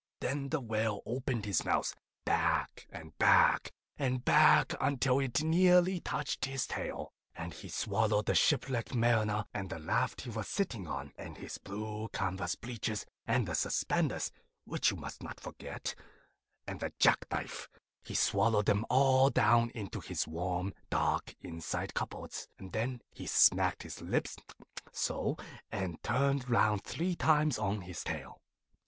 Then the Whale opened his mouth back and back and back till it nearly touched his tail, and he swallowed the shipwrecked Mariner, and the raft he was sitting on, and his blue canvas breeches, and the suspenders (which you must not forget), and the jack knife He swallowed them all down into his warm, dark, inside cup boards, and then he smacked his lips so, and turned round three times on his tail.